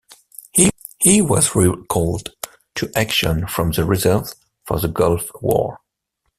He was re-called to action from the reserves for the Gulf War.